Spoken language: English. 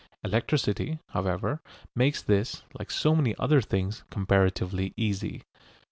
Electricity, however, makes this, like so many other things, comparatively easy.